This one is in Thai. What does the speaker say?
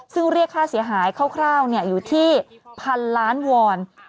ซึ่งเรียกค่าเสียหายคร่าวอยู่ที่พันล้านวอน